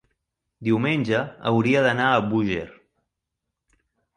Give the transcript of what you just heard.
Diumenge hauria d'anar a Búger.